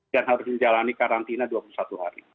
dan harus menjalani karantina dua puluh satu hari